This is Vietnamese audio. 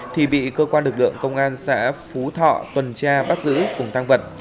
thì bị cơ quan lực lượng công an xã phú thọ tuần tra bắt giữ cùng tăng vật